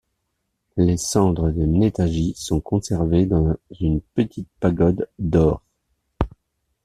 Les cendres de Netaji sont conservées dans une petite pagode d'or.